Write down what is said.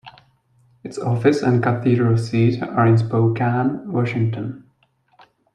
Its office and cathedral seat are in Spokane, Washington.